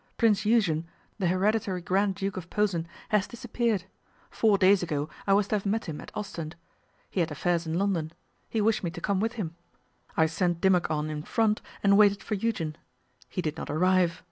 Prince Eugen, the hereditary Grand Duke of Posen, has disappeared. Four days ago I was to have met him at Ostend. He had affairs in London. He wished me to come with him. I sent Dimmock on in front, and waited for Eugen. He did not arrive.